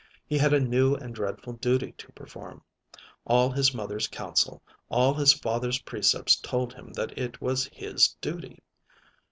He had a new and dreadful duty to perform. All his mother's counsel, all his father's precepts told him that it was his duty.